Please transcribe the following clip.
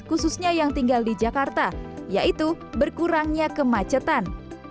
khususnya yang tinggal di jakarta yaitu berkurangnya kemacetan